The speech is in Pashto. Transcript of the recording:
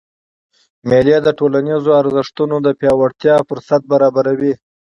مېلې د ټولنیزو ارزښتونو د پیاوړتیا فُرصت برابروي.